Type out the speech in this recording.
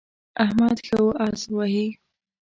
احمد ښه اس وهي.